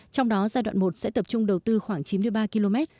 trong đó giai đoạn một sẽ tập trung đầu tư khoảng chín mươi ba km